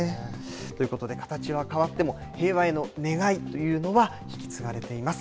ということで、形は変わっても平和への願いというのは引き継がれています。